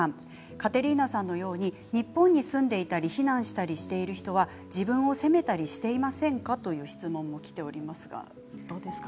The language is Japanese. カテリーナさんのように日本に住んでいたり避難したりしている人は自分を責めたりしていませんか？という質問もきておりますがどうですか？